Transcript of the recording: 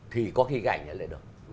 thì có khi cái ảnh này lại được